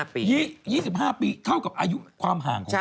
๒๕ปีเท่ากับอายุความห่างของเขา